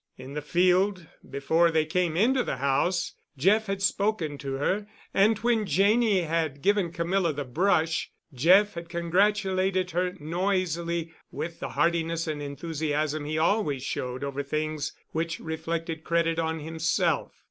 In the field before they came into the house Jeff had spoken to her, and when Janney had given Camilla the Brush, Jeff had congratulated her noisily and with the heartiness and enthusiasm he always showed over things which reflected credit on himself.